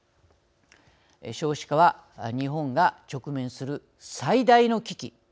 少子化は日本が直面する最大の危機。